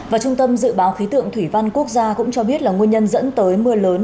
và trung tâm dự báo khí tượng thủy văn quốc gia cũng cho biết là nguyên nhân dẫn tới mưa lớn